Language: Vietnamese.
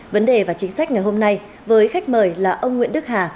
vấn đề và chính sách ngày hôm nay với khách mời là ông nguyễn đức hà